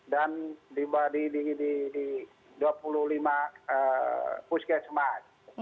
di dua puluh lima puskesmas